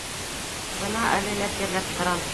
Бына әле лә сирләп торам...